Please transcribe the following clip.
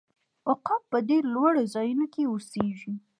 عقاب په ډیرو لوړو ځایونو کې اوسیږي